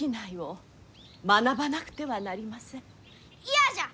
嫌じゃ！